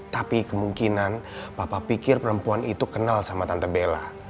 tapi kemungkinan papa pikir perempuan itu kenal sama tante bella